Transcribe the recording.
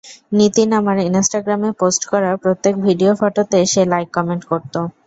নিতিন আমার ইন্সট্রাগ্রামে পোস্ট করা, প্রত্যেক ভিডিও- ফটোতে সে লাইক- কমেন্ট করত।